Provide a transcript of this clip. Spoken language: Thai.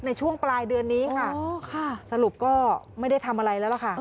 ในช่วงปลายเดือนนี้ค่ะสรุปก็ไม่ได้ทำอะไรแล้วล่ะค่ะ